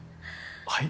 はい？